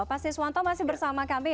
pak siswanto masih bersama kami